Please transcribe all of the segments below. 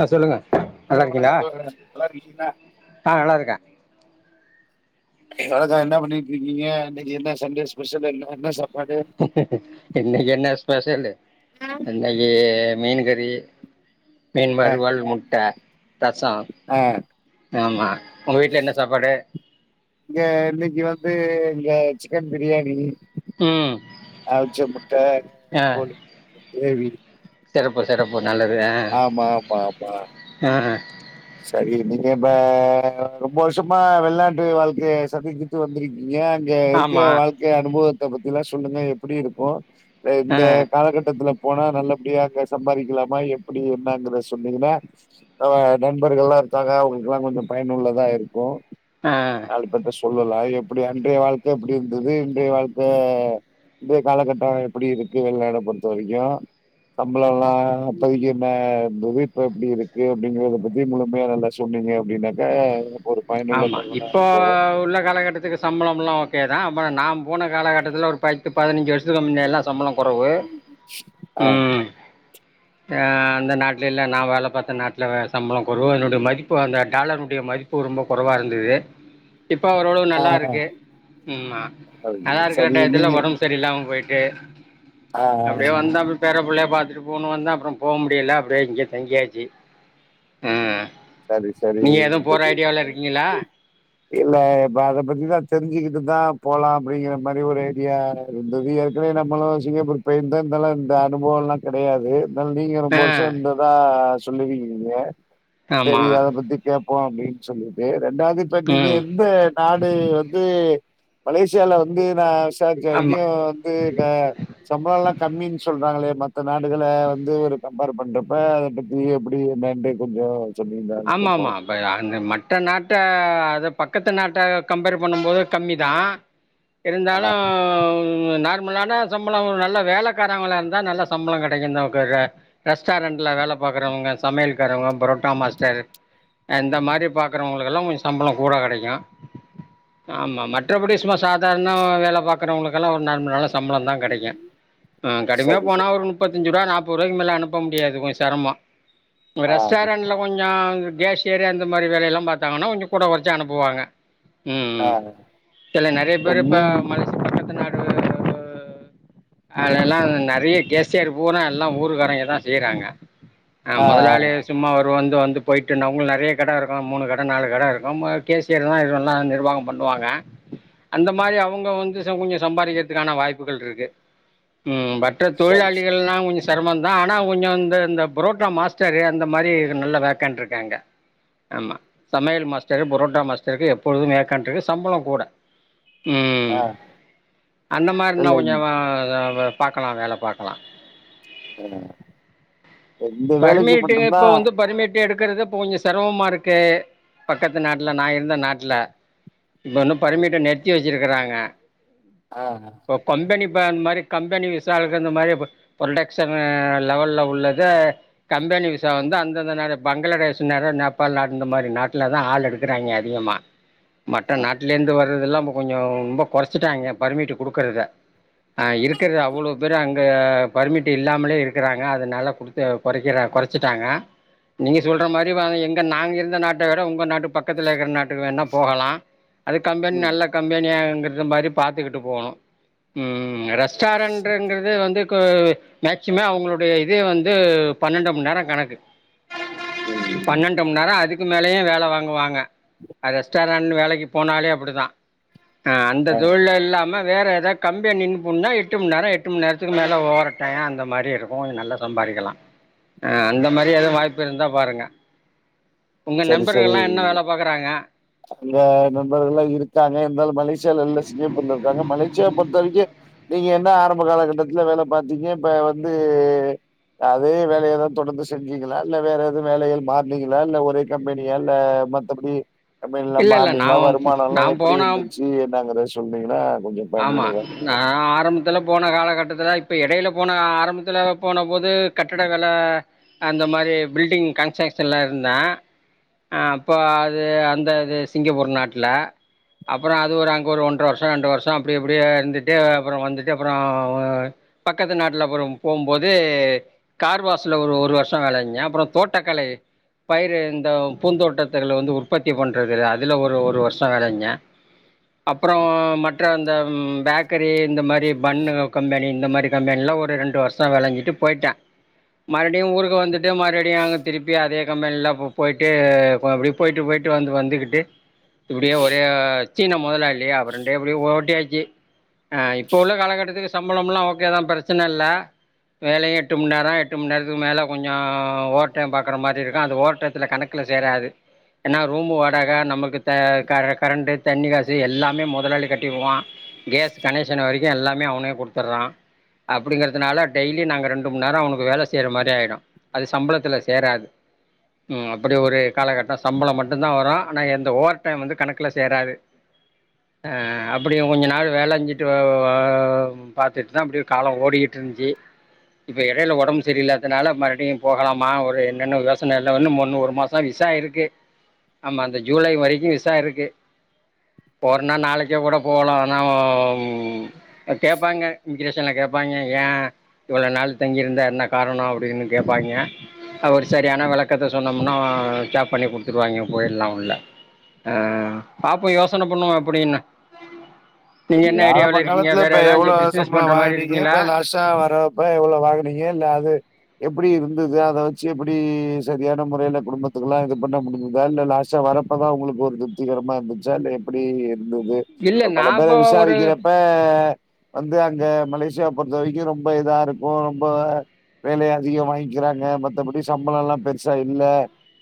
அ சொல்லுங்க நல்லா வணக்கம் இருக்கீங்களா வணக்கம் தோழரே நல்லா இருக்கீங்களா ஆ நல்லா இருக்க வணக்கோ என்ன பண்ணிட் இருக்கீங்க இன்னகி என்ன சண்டே ஸ்பெஷல் என்ன என்னா சாப் இன்னக்கி என்ன ஸ்பெஷலு இன்னக்கி மீனு கறி ஆ, மீன்வறுவல் முட்ட ரசோ ஆ. ஆமா உங்க வீட்ல என்ன சாப்பாடு இங்க இன்னக்கி வந்து இங்க சிக்கன் பிரியாணி ம் அவிச்ச முட்ட ஆ கோழி க்ரேவி சிறப்பு சிறப்பு நல்லது ஆமா ஆமா ஆமா ஆ சரி நீங்க இப்ப ரொம்ப வர்ஷமா வெள்னாட்டு வாழ்க்கை சந்திசிட்டு வந்திருக்கீங்க அங்க இருக்க ஆமாம் வாழ்க்க அனுபவத்த பத்திலா சொல்லுங்க எப்டி இருக்கு ஆ இந்த காலகட்டத்துல போனா நல்லபடியா அங்க சம்பாரிக்கலாமா எப்டி என்னாங்கறத சொன்னீங்கனா ஆ நண்பர்கள்லா இருக்காங்க அவங்களுகெலா கொஞ்ச பயனுள்ளதா இருக்கு ஆ நாலு பேர்ட்ட சொல்லலா எப்டி அன்றைய வாழ்க்க எப்டி இருந்தது இன்றைய வாழ்க்க இன்றைய காலகட்டம் எப்டி இருக்கு வெள்னாட பொறுத்த வரைக்கு சம்பளலல்லா அப்பதிக்கி நா புவி இப்ப எப்டி இருக்கு அப்படிங்கறத பத்தி முழுமையா நல்லா சொன்னீங்க அப்டின்னாக் ஆ ஒரு பயனுள்ள தகவலா இருக்கு இப்ப உள்ள காலகட்டத்துக்கு சம்பளமெல்லா ஓகே தா நா போன காலகட்டத்துல ஒரு பயிற் இப்ப பதினஞ்சு வருஷத்துக்கு முன்னலா சம்பளோ கொறவு ஆ அந்த நாட்லலா நா வேல பாத்த நாட்ல சம்பளம் கொறவு என்னுடைய மதிப்பு அந்த டாலர் இங்க மதிப்பு ரொம்ப கொறவா இருந்தது இப்ப ஓரளவு ஆ நல்லா ருக்கு ம் மா நல்லா ருக்குற சரி டயத்துல நீங்க ஒடம்பு சரியில்லாம போய்ட்டு ஆ அப்டியே வந்தா பேர புள்ளைய பாத்துட்டு போணு வந்த அப்றம் போ முடியல அப்டியே இங்கயெ தங்கியாச்சு ம் சரி சரி போற ஐடியால இருக்கிங்களா இல்ல இப்ப அத பத்திதா தெரிஞ்சிக்கிட்டு தா போலா அப்படிங்கற மாரி ஒரு ஐடியா இருந்தது ஏற்கனவே நம்மளு சிங்கப்பூர் போய்ர்ந்தா லா இந்த அனுபவல்லா கெடையாது இந்தாலு நீங்க ரொம்ப ஆ வருஷோ இருந்ததா சொல்லுவீங்னீங்க செரி ஆமாம் அத பத்தி கேப்போ அப்டின் சொல்லிட்டு ரெண்டாவது இப்ப நீங்க ம் எந்த நாடு வந்து மலேசியால வந்து நா விசார்ச்ச வரைக்கு ஆமாம் வந்து க சம்பள ல்லா‌ கம்மின் சொல்றாங்களே மத்த நாடுகள வந்து ஒரு கம்பேர் பண்றப்ப அத பத் தி எப்டி மேண்டே கொஞ்சோ ஆமாமா இப்ப அந்த மட்ட நாட்ட அத பக்கத்து நாட்ட கம்பேர் பண்ணும்போது கம்மி தா [inaudible] இருந்தாலூ நார்மலான சம்பளோ நல்ல வேலக்காரங்களா இருந்தா நல்ல சம்பளோ கெடைக்கு நோக்குக ரெஸ்டாரண்ட்ல வேல பாக்றவங்க சமையலக்காரங்க புரோட்டா மாஸ் டர் அ இந்த மாரி பாக்குறவங்களுக்கெல்லா கொஞ்ச சம்பளோ கூட கெடெக்கு ஆமா மற்றபடி சும்மா சாதாரண வேல பாக்குறவங்களுக்கெல்லா ஒரு நார்மளான சம்பள தா கெடெக்கு ம் ஆ கடுமையா போனா ஒரு நுப்பத்தஞ்சு ரூபா நாப்போர் ருவாய்க்கு மேலே அனுப்ப முடியாது கொஞ் செரமோ ஆ, ரெஸ்டாரண்ட்ல கொஞ்சோ கேஷியரு அந்த மாரி வேலையெல்லா பாத்தாங்கன்னா கொஞ்சொ கூட கொறச்சி அனுப்புவாங்க ம் ம் ஆ. இல்ல நெறைய பேரு இப்ப மலெஸ்யா பக்கத்து நாடு அதெல்லா நெறைய கேசியர் பூரா எல்லா ஊர்க்காரங்கெதா செய்றாங்க ஆ முதலாளிய சும்மா ரு வந்து வந்து போயிட்டுனா அவங்க நெறைய கட இருக்கு மூணு கட நாலு கட இருக்கு கேசியர் தா இதுல்லா நிர்வாகம் பண்ணுவாங்க அந்த மாரி அவங்க வந்து ச கொஞ்சோ சம்பாரிக்கறதுக்கான வாய்ப்புகள்ருக்கு ம் பட் டு சரி ச தொழிலாளிகள்ல்லா கொஞ்சோ செரமந்தா ஆனா கொஞ்சொ இந்து இந்த புரோட்டா மாஸ்டரு அந்த மாரி நல்ல வேக்கண்ட் ருக்காங்க ஆமா சமையல் மாஸ்டரு புரோட்டா மாஸ் டர்க்கு எப்பொழுது வேக்கண்ட் ருக்கு சம்பளோ கூட ம் ஆ அந்த மார் னா இல்ல இந்- கொஞ்சவ பாக்கலா வேல பாக்கலா வேற பரிமேட்டுக்கு இப்ப வந்து பரிமேட் எடுக்கறது இப்ப கொஞ்சோ செரமமா ருக்கு பக்கத்து நாட்டுல நா இருந்த நாட்டுல இப்போ இன்னு பர்மிட்ட நிறுத்தி வச்சுருக்கறாங்க அ இப்ப கொம்பெனி ப இந்த மாரி கம்பெனி விசாலக்கு அந்த மாரி ப ப்ரொடக்க்ஷனு லெவல்ல உள்ளத கம்பெனி விசா வந்து அந்தந்த நேர பங்களாதேஷ் நேரு நேபாள் நாடு ந்த மாரி நாட்டுல தா ஆள் எடுக்குறாய்ங்க அதிகமா [inaudible] மட்ட நாட்லேந்து வர்றதெல்லா‌ ப்ப கொஞ்சொ ஒம்ப கொறச்சிட்டாங்க பர்மிட்டு் குடுக்கறத ல்ல அ இருக்கற்து அவ்வளோ பேரு அங்க பர்மிட்டு் இல்லாமலே இருக்கிறாங்க அத நல்லா குடுத்து கொறக்கிற கொறச்சிட்டாங்க நீங்க சொல்ற மாரி வா எங்க நாங்க இருந்த நாட்ட விட உங்க நாட்டு பக் கத்துல இருக்ற நாட்டுக்கு வேன்ணா போகலா அது கம்பென் ம் நல்ல கம்பெனியாங்க்ற்தும் மாரி பாத்துக்கிட்டு போனு ம் ரெஸ்டாரண்ட்ருன்றது வந்து க்கு மேக்சிம அவங்களுடைய இதே வந்து பனண்டு மண் நேரோ கணக்கு ம் ம். பன்னன் டு மண் நேரோ அதுக்கு மேலயு வேல வாங்குவாங்க அ ரெஸ்டாரண்ட் வேலைக்கு போனாலே அப்புடிதா அ அந்த ஆ தொழில்ல இல்லாம வேற எதா கம்பெனின் போன்னா எட்டு மண் நேரோ எட்டு மண் நேரத்துக்கு மேல ஓர டயோ அந்த மாரி இருக்கூ அது நல்ல சம்பாரிக்கலா அ அந்த மாரி எதும் வாய்ப்பு இருந்தா பாருங்க உங்க சரி சரி நம்பர்கள்லா என்ன வேல பாக்குறாங்க அங்க நண்பர்கள்ல்லா இருக்காங்க இர்ந்தாலு மலேசியால இல்ல சிங்கப்பூர்ல இருக்காங்க மலேசியா பொறுத்தரைக்கு நீங்க என்னா ஆரம்ப காலகட்டத்துல வேல பாத்தீங்க இப்ப வந்தூ அதே வேலைய தா தொடர்ந்து செஞ்சீங்களா இல்ல வேற எது வேலைகள் மாற்னீங்களா இல்ல ஒரே கம்பெனியா இல்ல மத்தபுடி கம்பேனிலா இல்லை இல்லை மார்னீங்களா நான் பு- வருமான அல்லா நான் எப்புடி போன இருந்துச்சி என்னங்கறது சொன்னீங்ன்னா ஆம்மா நா ஆரம் த்துல போன காலகட்டத்துல இப்ப எடையில போன ஆரம்பத்துல போன போது கட்டட வேல அந்த மாரி பில்டிங் கன்ஸ்ஸக்க்ஷன்ல இருந்த அ அப்ப அது அந்தது சிங்கப்பூர் நாட்ல அப்பற அது ஒரு அங்க ஒரு ஒன்ற வருஷ ரெண்டு வருஷொ அப்டி இப்டியே இருந்துட்டு அப்பற வந்துட்டு அப்பற பக்கத்து நாட்டுல அப்பறம் போம்போது கார்வாஸ்ல ஒரு ஒரு வர்ஷொ வேல செஞ்சே அப்பற தோட்டக்கலை பயிறு இந்த பூந்தோட்டத்துகல்ல வந்து உற்பத்தி பண்றது அதுல ஒரு ஒரு வர்ஷ வேல ஞ்ஞ அப்பற மற்றந் இந்த ம் பேக்கரி இந்த மாரி பண்ணு உ கம்பெனி இந்த மாரி கம்பென்ல்ல ஒரு ரெண்டு வர்ஷ வேல ஞ்சிட்டுப் பொய்ட்ட மறுபுடியு ஊருக்கு வந்துட்டு மறுபுடியு அங்க திருப்பி அதே கம்பென்ல்லப் போ பொய்ட்டு போ அப்டி போய்ட்டு போய்ட்டு வந்து வந்துகிட்டு இப்டியே ஒரே சீனா முதலாளியா அப்பர டெபில்லு ஓட் ட்டியாச்சி அ இப்ப உள்ள காலகட்டத்துக்கு சம்பளம்லாம் ஓக்கேதா பரச்சன இல்ல வேலையு எட்டு மண் நேர எட்டு மணி நேரதுக்கு மேலே கொஞ்சொ ஓர்டைம் பாக்கற மாரி இருக்கு அந்த ஓர்டைத்துல கணக் க்குல்ல சேராது என்னா ரூம் வாடக நம்மள்க்கு த கர கரண்டு தண்ணிகாசு எல்லாமே முதலாளி கட்டிருவா கேஸ் கனெக்ஷன் வரைக்கு எல்லாமே அவனே குடுத்துர்றா அப்புடிங்கிறதுனால டெய்லி நாங்க ரெண்டு முண் நேர அவனுக்கு வேல செய்ற மாரி ஆய்டு அது சம்பளத்துல சேராது ம் அப்படி ஒரு காலகட்ட சம்பள மட்டுந்தா வரு ஆனா எந்த ஓவர் டைம் வந்து கணக்குல சேராது அ அ அப் அப்படியு கொஞ்ச நாள் வேல ஞ்சிட்டு பாத்துட்தா அப்புடி காலொ ஓடிக்கிட் இருந்ச்சி இப்ப எடையில ஒடம்பு சரியில்லாதனால மறுடியு போகலாமா ஒரு என்னென்ன யோசனைல ஒன்னு மொன்னு ஒரு மாஸ் ச விசா இருக்கு ஆம்மா அந்த ஜூலை வரைக்கு விசா இருக்கு போறன்னா நாளைக்கே கூட போலாம் ஆனா உ கேப்பாங்க இமிகிரேஷன்ல கேப்பாங்க ஏன் இவ்ளோ நாள் தங்கிருந்த என்ன காரணம் அப்டின்னு கேப்பாய்ங்க ஒரு சரியான வெளக்கத்த சொன்னோம்னா கேப் பண்ணி குடுத்துருவாயிங்க போயிறல்லா உள்ள ஆ பாப்போம் யோசன பண்ணுவோ எப்டின்னு சரி ஆரம்ப இருக்கீங்க காலத்ல வேறு இப்ப எவ்ளோ ஏதாச்சும் பிஸ்னஸ் சம்பளம் பண்ணுற மாதிரி வாங்கினீங்க இருக்கீங்களா இப்ப லாஸ்ட் டா வரப்ப எவ்ளோ வாங்னீங்க இல்ல அது எப்டி இருந்தது அத வச்சி எப்டி சரியான முறையில குடும்பத்துக்குலா இது பண்ண முடிஞ்சதா இல்ல லாஸ்ட் டா வரப்பதா ஒங்களுக்கு ஒரு திருப்திகரமா இருந்துச்சா இல்ல எப்டி இருந்துது இல்லை இப்ப பல பேர நாம் ஒரு விசாரிக்கிறப்ப இப்ப வந்து அங்க மலேசியா பொறுத்த வரைக்கும் ரொம்ப இதா இருக்கும் ரொம்ப வேலயை அதிகம் வாங்கிக்கிறாங்க மத்தபடி சம்பளம் எல்லாம் பெருசா இல்ல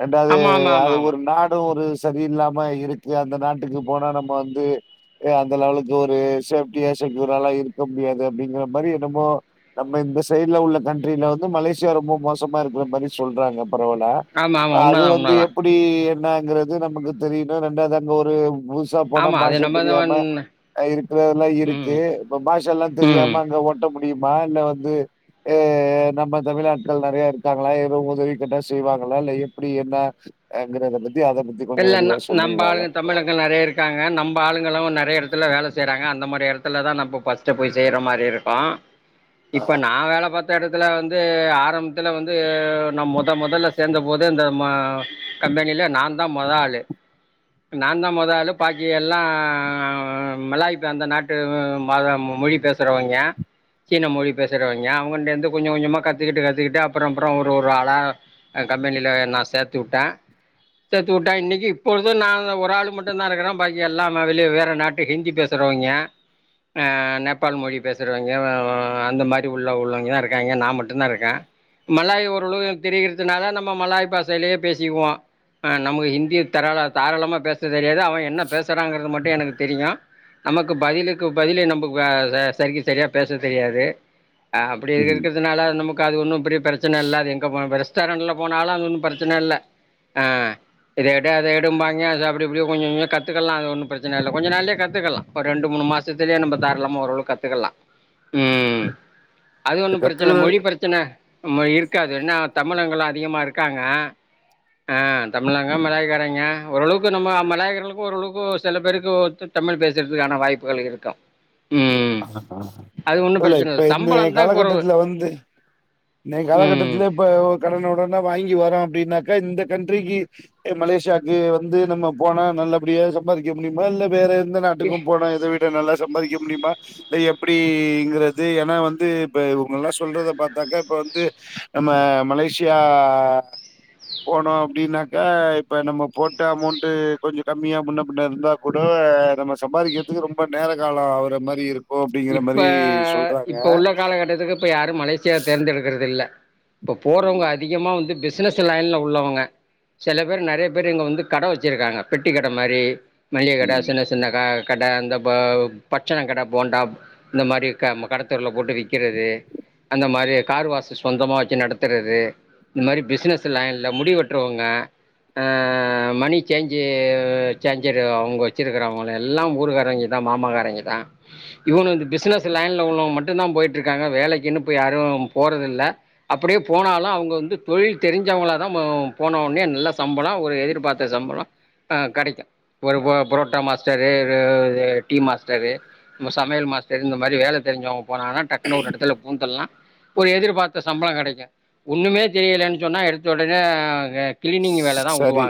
ரெண்டாவது ஆமாம் ஆமாம் ஆமாம் அது ஒரு ஆமாம் நாடும் ஒரு சரியில்லாம இருக்கு அந்த நாட்டுக்கு போனா நம்ம வந்து அந்த லெவலுக்கு ஒரு சேஃப்டியா செக்யூர்லாம் இருக்க முடியாது அப்டிங்கிற மாரி என்னமோ நம்ம இந்த சைட்ல உள்ள கண்ட்ரில வந்து மலேசியா ரொம்ப மோசமா இருக்ற மாரி சொல்றாங்க பரவலா ஆமாம் ஆமாம் உண்மை அது தான் உண்மை வந்து தான் எப்டி என்னங்கறது நமக்கு தெரியணும் ரெண்டது அங்க ஒரு புதுசா போன ஆமாம் அது பாஷா நம்ம தான் தெரியாம இருக்றெல்லாம் ம் இருக்கே பாஷ எல்லாம் ம் தெரியாம ங்க ஓட்ட முடியுமா இல்ல வந்து ஏ நம்ம தமிழ் ஆட்கள் நெறய இருக்காங்களா ஏதும் உதவி கேட்டா செய்வாங்களா இல்ல எப்டி என்ன ங்கறத பத்தி அத பத்தி கொஞ்சம் விரிவா இல்லன்னா நம்ப சொல்றீங்களால? ஆளுங்க தமிழர்கள் நெறய இருக்காங்க நம்ம ஆளுங்களும் நெறய எடத்ல வேல செய்றாங்க அந்த மாதரி எடத்ல த்லதான் நம்ப பஸ்ட்டு போய் செய்ற மாரி இருக்கும் இப்ப நான் வேல பாத்த எடத்துல வந்து ஆரம்பத்துல வந்து நா மொத மொதல்ல சேந்த போது இந்த ம கம்பெனிலே நாந்தா மொத ஆளு நாந்தா மொத ஆளு பாக்கி எல்லா மலாய் அந்த நாட்டு மதம் மொழி பேச சரவய்ங்க சீன மொழி பேசுரவய்ங்க அவுங்கிட்டேருந்து கொஞ்ச கொஞ்சமா கத்துக்கிட்டு கத்துக்கிட்டு அப்றோ அப்றோ ஒரு ஒரு ஆளா அ கம்பெனில நான் சேத்து வுட்டேன் சேத்து வுட்டன் இன்னக்கி இப்பொழுது நான் ஒரு ஆள் மட்டுந் தான் இருக்றேன் பாக்கி எல்லா வெளிய வேற நாட்டுக்கு ஹிந்தி பேச சுரவய்ங்க நேபால் மொழி பேசுரவய்ங்க அந்த மாரி உள்ள உள்ளவய்ங்க தான் இருக்காங்க நான் மட்டுந்தான் இருக்கேன் மலாய் ஓரளவு தெரிகிறதுனால நம்ம மலாய் பாசையிலயே பேசிக்குவோம் நமக்கு ஹிந்திய தராள தாராளமா பேச தெரியாது அவன் என்ன பேசுறாங்கறது மட்டும் எனக்கு தெரியும் நமக்கு பதிலுக்கு பதிலே நம்ப சரிக்கு சரியா பேச தெரியாது அப்டி ம். இருக் னால நமக்கு அது ஒன்னும் பெரிய பெரச்சன இல்லது எங்க ரெஸ்டாரண்ட்ல போனாலும் அது ஒன்னும் பெரச்சன இல்ல அ இத எடு அத எடும்பாங்க அப்டிப்படியும் கொஞ்சஞ்சொ கத்துக்கலாம் அது ஒன்னு பிரச்சன இல்லை கொஞ்ச நாள்ளெ கத்துக்கலாம் ஒரு ரெண்டு மூணு மாசத்துலே நம்ப தாரளமா ஓரளவு கத்துக்கலாம் ம் அது ஒன்னு பிரச்சன கத்துக்கிற மொழி பிரச்சன சன இருக்காது என்னா தமிழங்கலாம் அதிகமா இருக்காங்க ஆ தமிழங்க மலாயக்காரங்க ஓரளவுக்கு நம்ம மலாயக்ர்களுக்கு ஓரளவுக்கு சில பேருக்கு தமிழ் பேசுரதுக்கான வாய்ப்புகள் இருக்கா ஒன்னு இல்ல பிரச்சன இப்ப இந்நய சம்பளந்தா கொறவு காலகட்டத்துல வந்து இன்னக்கி காலகட்டத்ல ம் இப்ப கடன ஒடன வாங்கி வரொ அப்டின்னாக்கா இந்த கன்ட்ரிக்கு மலேசியாக்கு வந்து நம்ப போனா நல்லபடியா சம்பாரிக்க முடிமா நல்ல வேற எதா எந்த நாட்டுக்கு போனா இத விட நல்லா சம்பாதிக்க முடியுமா இல்ல எப்டிங்கிறது ஏன்னா வந்து இப்ப இவுங்க எல்லா சொல்றத பாத்தாக்கா இப்ப வந்து நம்ம மலேசியா போனோ அப்டின்னாக்க இப்ப நம்ம போட்ட அமௌண்ட்டு கொஞ்சோ கம்மியா முன்ன பின்ன இருந்தா கூட நம்ம சம்பாதிக்கிறதுக்கு ரொம்ப நேர கால ஆவுற மாரி இருக் இப்ப இப்ப உள்ள காலகட்டத்துக்கு இப்ப யாரு மலேசியா தேர்ந்தெடுக்கிறது இல்ல இப்ப ம் போறவங்க அதிகமா வந்து பெஸ் பிசினஸ் லைன்ல உள்ளவங்க சில பேர் நெறைய பேர் இங்க வந்து கடை வச்சிருக்காங்க பெட்டி கடை மாரி மளிக கடை ம் சின்ன சின்ன க கடை அந்த ப பச்சண கடை போண்டா இந்த மாரி க ம் கடத்தெருல போட்டு விக்கிறது அந்த மாரி கார் வாஷ்ஷு சொந்தமா வச்சு நடத்துறது இந்த மாரி பிஸ்னஸ்ஸு லைன்ல முடி வெட்டுறவங்க ஆ மணி சேஞ்சு சேஞ்சரு அவுங்க வச்சிருக்கறவங்கள எல்லா ஊருக்காரங்க [unintelligible] மாமக்காரங்க தா இவ்னோ இந்த பிஸ்னஸ் லைன்ல்ல உள்ளவ மட்டுதா போய்ட்டுருக்காங்க வேலைக்கின்னு இப்ப யாரு போறதில்ல அப்டியே போனாலு அவுங்க வந்து தொழில் தெரிஞ்சவங்கள தா போன ஒட்னே நல்ல சம்பள ஒரு எதிர்பாத் தா சம்பள கெடைக்கு ஒரு புரோ புரோட்டா மாஸ்டரு ஒரு டீ மாஸ்டரு நம்ம சமையல் மாஸ்டரு இந்த மாரி வேல தெரிஞ்சவங்க போனாங்கனா டக்கு ஒரு எடத்துல பூந்தெர்லா ஒரு எதிர்பாத்த சம்பள கெடைக்கு ஒன்னுமே தெரியலைன்னு சொன்னா எடுத்த ஒடனே சரி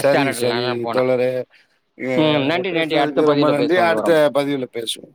சரி சரி போனால் தோழரே ம் அ நன்றி நன்றி அடுத்த பேசனதுக்கு ரொம்ப பதிவில் நன்றி பேசுவோம் அடுத்த விவரமா பதிவுல பேசுவோ